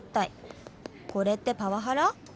「これってパワハラ？」